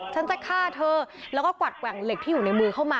ฉันจะฆ่าเธอแล้วก็กวัดแกว่งเหล็กที่อยู่ในมือเข้ามา